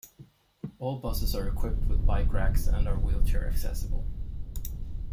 All buses are equipped with bike racks and are wheelchair accessible.